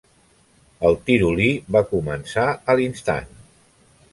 El Tirolí va començar a l'instant.